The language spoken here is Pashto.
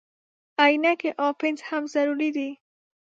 عینکې او پنس هم ضروري دي.